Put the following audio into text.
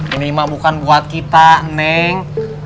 ini mak bukan buat kita neng